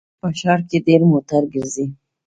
په ښار کې ډېر موټر ګرځي